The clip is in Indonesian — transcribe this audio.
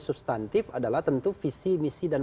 substantif adalah tentu visi misi dan